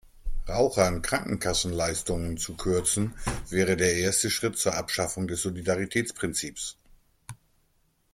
Rauchern Krankenkassenleistungen zu kürzen, wäre der erste Schritt zur Abschaffung des Solidaritätsprinzips.